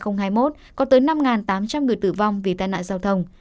năm tám trăm linh người tử vong vì tai nạn giao thông